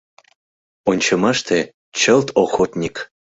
Ончымаште — чылт охотник.